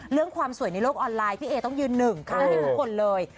เรื่องความสวยในโลกออนไลน์พี่เอต้องยืนหนึ่งค่ะให้ทุกคนเลย